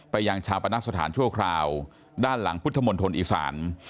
ไปยังชาวประนักสถานชั่วคราวด้านหลังพุทธมนต์ทนอีสาน